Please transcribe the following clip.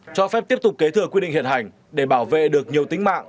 cho phép tiếp tục kế thừa quy định hiện hành để bảo vệ được nhiều tính mạng